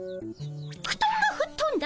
ふとんがふっとんだ。